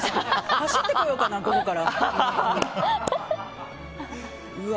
走ってこようかな、午後から。